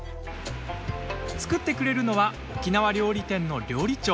作ってくれるのは沖縄料理店の料理長。